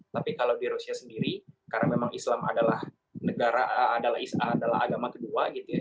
tapi kalau di rusia sendiri karena memang islam adalah negara adalah agama kedua gitu ya